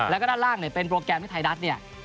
แล้วก็ด้านล่างเนี่ยเป็นโปรแกรมที่ไทยรัฐเนี่ย